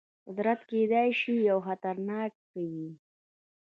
قدرت کېدای شي یو خطرناک څه وي.